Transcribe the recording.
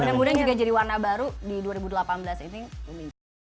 mudah mudahan juga jadi warna baru di dua ribu delapan belas ini bumi